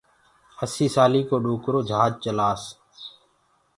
اسي سآلي ڪو ڏوڪرو جھاج چلآس